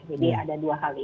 jadi ada dua hal ini